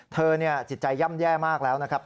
เธอเนี่ยจิตใจย่ำแย่มากแล้วนะครับตอนนี้